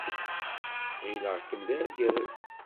Ɣileɣ-kem d argaz.